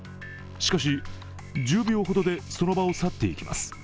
しかし、１０秒ほどでその場を去って行きます。